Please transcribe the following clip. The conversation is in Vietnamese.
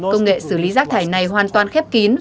công nghệ xử lý rác thải này hoàn toàn khép kín